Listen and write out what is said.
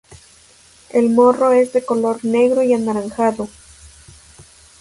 El morro es de color negro y anaranjado.